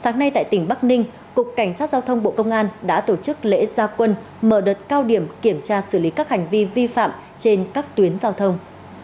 tuy nhiên bắc ninh cục cảnh sát giao thông bộ công an đã tổ chức lễ gia quân mở đợt cao điểm kiểm tra xử lý các hành vi vi phạm trên các tuyến giao thông